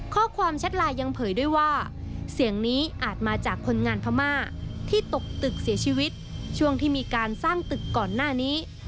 แชทไลน์ยังเผยด้วยว่าเสียงนี้อาจมาจากคนงานพม่าที่ตกตึกเสียชีวิตช่วงที่มีการสร้างตึกก่อนหน้านี้